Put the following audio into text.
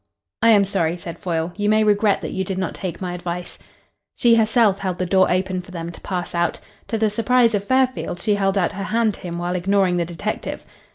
"I am sorry," said Foyle. "You may regret that you did not take my advice." She herself held the door open for them to pass out. To the surprise of Fairfield, she held out her hand to him while ignoring the detective.